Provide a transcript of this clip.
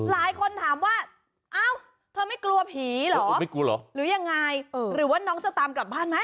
หลายคนถามว่าอ้าวเธอไม่กลัวผีเหรอไม่กลัวเหรอหรือยังไงหรือว่าน้องจะตามกลับบ้านไหม